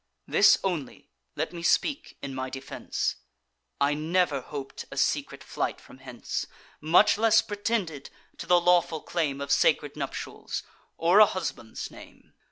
This only let me speak in my defence: I never hop'd a secret flight from hence, Much less pretended to the lawful claim Of sacred nuptials, or a husband's name.